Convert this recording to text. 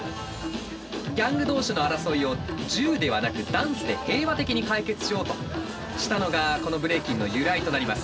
ギャング同士の争いを銃ではなくダンスで平和的に解決しようとしたのがこのブレイキンの由来となります。